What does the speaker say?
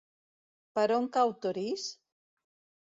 Per on cau Torís?